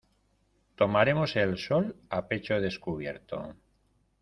tomaremos el sol a pecho descubierto.